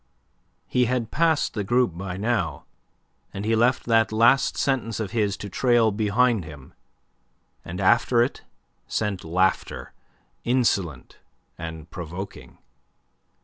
He had passed the group by now, and he left that last sentence of his to trail behind him, and after it sent laughter, insolent and provoking.